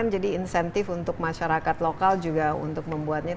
ini kan jadi insentif untuk masyarakat lokal juga untuk membuatnya